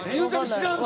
知らんの！？